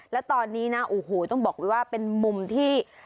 แล้วตอนนี้นะโอ้โหต้องบอกเลยว่าเป็นมุมที่